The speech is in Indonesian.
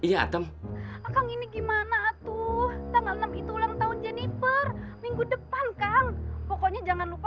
ah lupa masa lupa